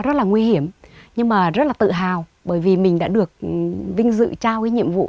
rất là nguy hiểm nhưng mà rất là tự hào bởi vì mình đã được vinh dự trao cái nhiệm vụ